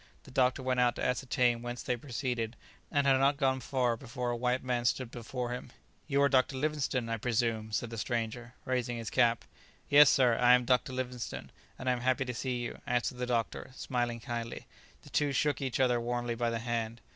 The doctor went out to ascertain whence they proceeded, and had not gone far before a white man stood before him. "You are Dr. Livingstone, I presume," said the stranger, raising his cap. "Yes, sir, I am Dr. Livingstone, and am happy to see you," answered the doctor, smiling kindly. The two shook each other warmly by the hand.